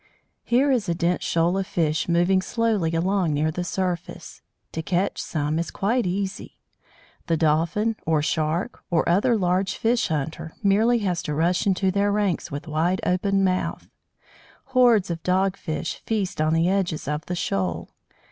Here is a dense shoal of fish, moving slowly along near the surface. To catch some is quite easy. The Dolphin, or Shark, or other large fish hunter, merely has to rush into their ranks with wide open mouth. Hordes of Dog fish feast on the edges of the shoal.